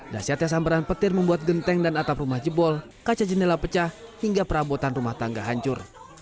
dasyatnya sambaran petir membuat genteng dan atap rumah jebol kaca jendela pecah hingga perabotan rumah tangga hancur